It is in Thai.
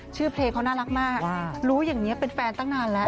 เพลงเขาน่ารักมากรู้อย่างนี้เป็นแฟนตั้งนานแล้ว